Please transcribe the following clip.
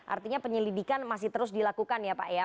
artinya penyelidikan masih terus dilakukan ya pak ya